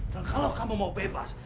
dan kalau kamu mau bebas